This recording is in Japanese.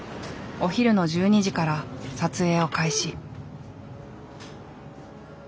お昼の１２時から撮影を開始。